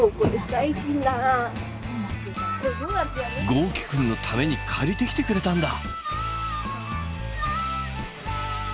豪輝くんのために借りてきてくれたんだ。